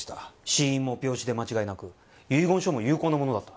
死因も病死で間違いなく遺言書も有効なものだった。